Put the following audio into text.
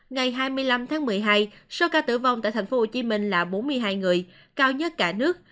ngày hai mươi năm tháng một mươi hai số ca tử vong tại tp hcm là bốn mươi hai người cao nhất cả nước